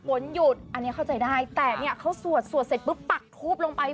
ฝนหยุดอันนี้เข้าใจได้แต่เนี่ยเขาสวดสวดเสร็จปุ๊บปักทูบลงไป